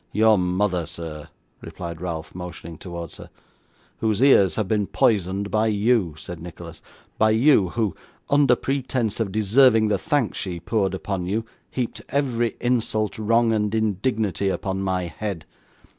'Your mother, sir,' replied Ralph, motioning towards her. 'Whose ears have been poisoned by you,' said Nicholas; 'by you who, under pretence of deserving the thanks she poured upon you, heaped every insult, wrong, and indignity upon my head.